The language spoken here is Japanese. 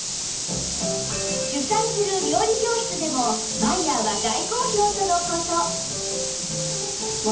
主宰する料理教室でもマイヤーは大好評との事